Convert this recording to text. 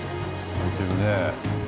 開いてるね。